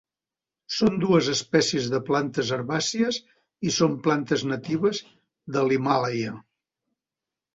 Són dues espècies de plantes herbàcies i són plantes natives de l'Himàlaia.